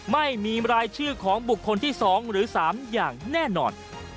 ไม่มีรายชื่อของบุคคลที่๒หรือ๓อย่างแน่นอน